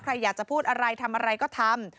ใครอยากจะพูดอะไรทำอะไรก็ทำ